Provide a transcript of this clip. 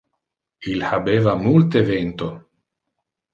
Il habeva multe vento.